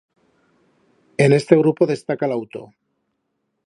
En este grupo destaca l'auto.